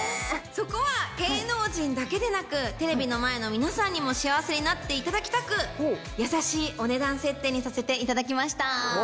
そこは芸能人だけでなくテレビの前の皆さんにも幸せになっていただきたく優しいお値段設定にさせていただきました。